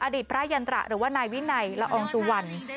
อดีตพระยันตระหรือว่านายวินัยละอองสุวรรณ